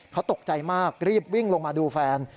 เขาตกใจมากรีบวิ่งลงมาดูแฟน